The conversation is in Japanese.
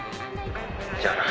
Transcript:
「じゃあな」